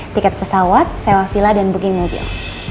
tiket pesawat sewa villa dan booking mobil